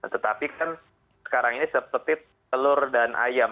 tetapi kan sekarang ini seperti telur dan ayam